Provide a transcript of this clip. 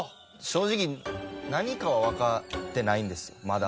正直何かはわかってないんですまだ。